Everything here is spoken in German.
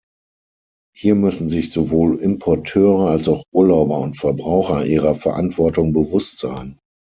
Hier müssen sich sowohl Importeure als auch Urlauber und Verbraucher ihrer Verantwortung bewusst sein.